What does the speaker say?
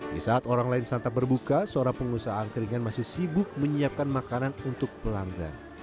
di saat orang lain santap berbuka seorang pengusaha angkeringan masih sibuk menyiapkan makanan untuk pelanggan